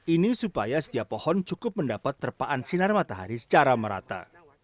ini supaya setiap pohon cukup mendapat terpaan sinar matahari secara merata